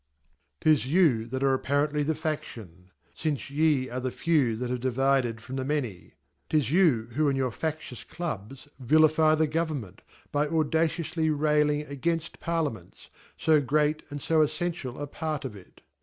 *Ti$you that are apparently the FaSlion ; finceyearetheFew* that have divided from the Many. ■ 'Til you who in your. Facti ous Clubs vilifie the Government * by dudacioufly raiting ^a gaitoft Pari ia men ts, fo. great andfo effential apart of it.